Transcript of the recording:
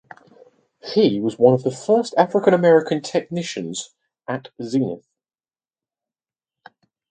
He was one of the first African American technicians at Zenith.